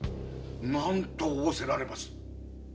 何と仰せられます？